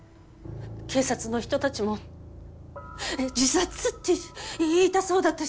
警察の人たちも自殺って言いたそうだったし。